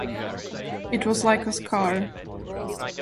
It was like a scar.